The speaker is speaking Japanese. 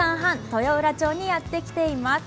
豊浦町にやってきています。